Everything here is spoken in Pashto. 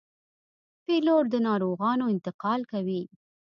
پیلوټ د ناروغانو انتقال کوي.